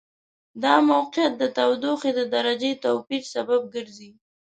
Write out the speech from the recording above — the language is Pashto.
دا موقعیت د تودوخې د درجې توپیر سبب ګرځي.